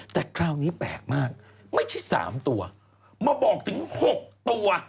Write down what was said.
แต่คราวนี้แปลกมากไม่ใช่๓ตัวมาบอกถึง๖ตัว